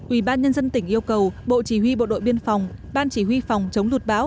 ubnd tỉnh yêu cầu bộ chỉ huy bộ đội biên phòng ban chỉ huy phòng chống lụt bão